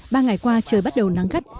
ba ngày qua trời bắt đầu nắng gắt